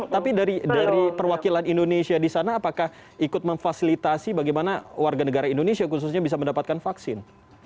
tapi dari perwakilan indonesia di sana apakah ikut memfasilitasi bagaimana warga negara indonesia khususnya bisa mendapatkan vaksin